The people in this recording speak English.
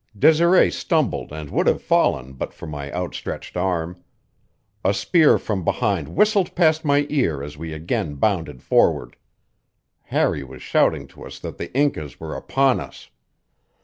Desiree stumbled and would have fallen but for my outstretched arm. A spear from behind whistled past my ear as we again bounded forward. Harry was shouting to us that the Incas were upon us.